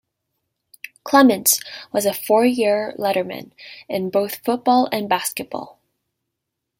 Clements was a four-year letterman in both football and basketball.